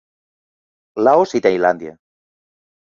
Laos i Tailàndia.